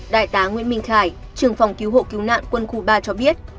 đại tá nguyễn minh khải trường phòng cứu hộ cứu nạn quân khu ba cho biết